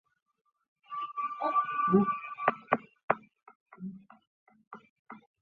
未经评估过的经验疗法可能导致忽略恶性肿瘤。